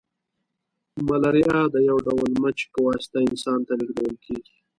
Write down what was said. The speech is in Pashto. ملاریا د یو ډول مچ په واسطه انسان ته لیږدول کیږي